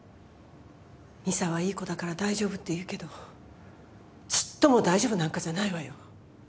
美沙はいい子だから大丈夫って言うけどちっとも大丈夫なんかじゃないわよ。